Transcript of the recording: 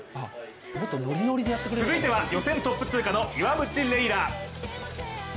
続いては予選トップ通過の岩渕麗楽。